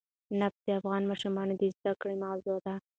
نفت د افغان ماشومانو د زده کړې موضوع ده.